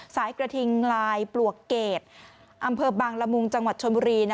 สายกระทิงลายปลวกเกรดอำเภอบางละมุงจังหวัดชนบุรี